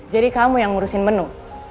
jadi kamu yang ngurusin menu